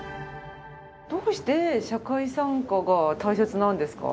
どうして社会参加が大切なんですか？